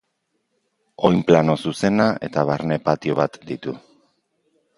Oinplano zuzena eta barne patio bat ditu.